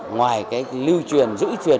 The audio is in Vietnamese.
ngoài lưu truyền giữ truyền